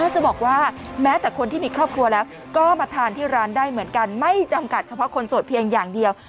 จะบอกว่าแม้แต่คนที่มีครอบครัวแล้วก็มาทานที่ร้านได้เหมือนกันไม่จำกัดเฉพาะคนโสดเพียงอย่างเดียว